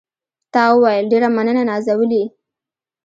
تا وویل: ډېره مننه نازولې.